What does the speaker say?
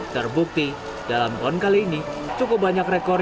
terbukti dalam pon kali ini cukup banyak rekor